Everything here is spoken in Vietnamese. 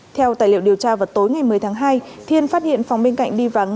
theo tài liệu điều tra vào tối ngày một mươi tháng hai thiên phát hiện phòng bên cạnh đi vắng